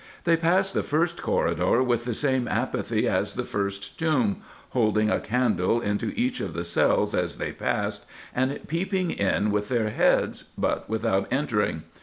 They passed the first corridor with the same apathy as the first tomb, holding a candle into each of the cells as they passed, and peeping in with their heads, but without entering.